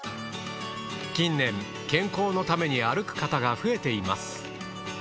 近年健康のために歩く方が増えています。